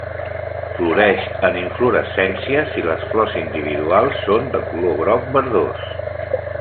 Floreix en inflorescències i les flors individuals són de color groc verdós.